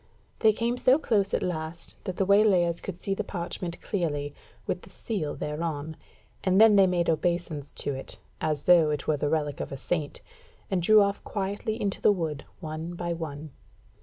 They came so close at last that the waylayers could see the parchment clearly, with the seal thereon, and then they made obeisance to it, as though it were the relic of a saint, and drew off quietly into the wood one by one.